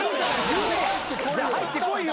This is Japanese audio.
入ってこいよ。